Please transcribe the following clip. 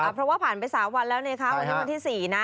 เพราะว่าผ่านไป๓วันแล้ววันนี้วันที่๔นะ